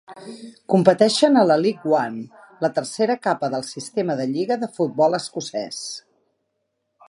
Competeixen a la League One, la tercera capa del sistema de lliga de futbol escocès.